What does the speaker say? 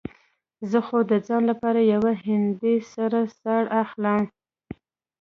زه خو د ځان لپاره يوه هندۍ سره ساړي هم اخلم.